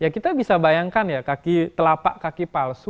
kita bisa bayangkan ya kaki telapak kaki palsu